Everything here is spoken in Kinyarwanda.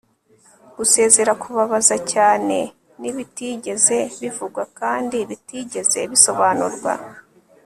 gusezera kubabaza cyane ni bitigeze bivugwa kandi bitigeze bisobanurwa